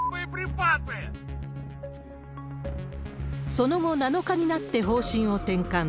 その後、７日になって方針を転換。